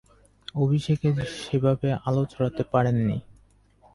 অভিষেকে সেভাবে আলো ছড়াতে পারেননি।